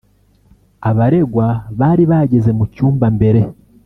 Abaregwa bari bageze cyumba mbere